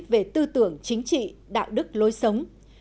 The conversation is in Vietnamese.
về tư tưởng chính trị đạo đức lối sống